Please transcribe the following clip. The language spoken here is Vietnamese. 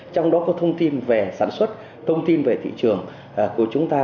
trong đó có thông tin về sản xuất thông tin về thị trường của chúng ta